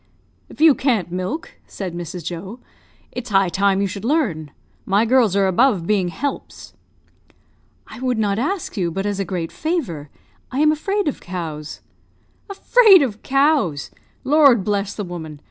"If you can't milk," said Mrs. Joe, "it's high time you should learn. My girls are above being helps." "I would not ask you but as a great favour; I am afraid of cows." "Afraid of cows! Lord bless the woman!